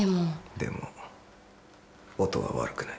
でも音は悪くない。